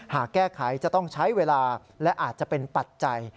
หากแก้ไขจะต้องใช้เวลาและอาจจะเป็นปัจจัย